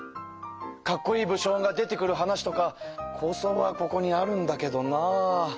かっこいい武将が出てくる話とか構想はここにあるんだけどな。